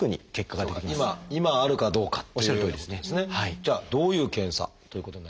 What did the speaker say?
じゃあどういう検査ということになりますか？